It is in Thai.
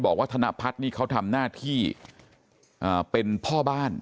บอกว่าธนพัฒน์นี่เขาทำหน้าที่เอ่อเป็นพ่อบ้าน